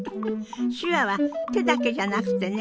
手話は手だけじゃなくてね